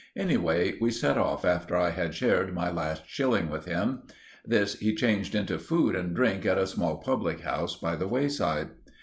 Anyway, we set off after I had shared my last shilling with him. This he changed into food and drink at a small public house by the wayside.